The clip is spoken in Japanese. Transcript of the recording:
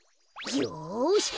よし！